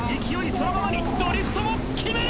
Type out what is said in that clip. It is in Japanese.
そのままにドリフトも決める！